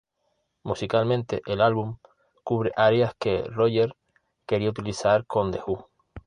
Musicalmente, el álbum cubre áreas que Roger quería utilizar con The Who.